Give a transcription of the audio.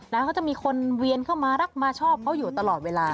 แล้วเขาจะมีคนเวียนเข้ามารักมาชอบเขาอยู่ตลอดเวลา